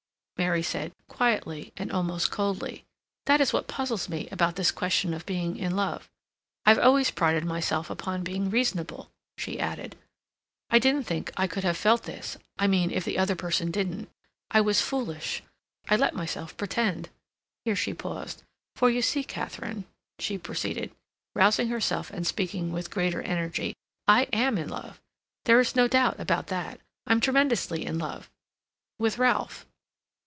Mary said, quietly and almost coldly. "That is what puzzles me about this question of being in love. I've always prided myself upon being reasonable," she added. "I didn't think I could have felt this—I mean if the other person didn't. I was foolish. I let myself pretend." Here she paused. "For, you see, Katharine," she proceeded, rousing herself and speaking with greater energy, "I AM in love. There's no doubt about that.... I'm tremendously in love... with Ralph."